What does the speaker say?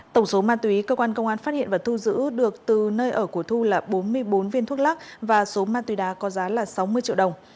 tổng số ma túy cơ quan công an phát hiện và thu giữ được từ nơi ở của thu là bốn mươi bốn viên thuốc lắc và số ma túy đá có giá là sáu mươi triệu đồng